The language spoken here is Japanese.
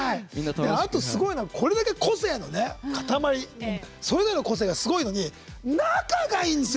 あとすごいのはこれだけ個性の塊それぞれの個性がすごいのに仲がいいんですよ。